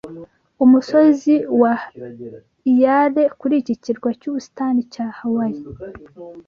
Umusozi Waiale kuri iki kirwa Cyubusitani" cya Hawai